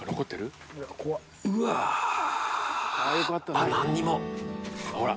あっ何にもほら。